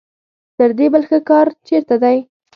تر دې بل ښه کار چېرته دی.